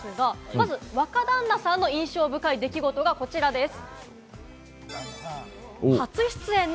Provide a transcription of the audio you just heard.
まず若旦那さんの印象深い出来事がこちらです。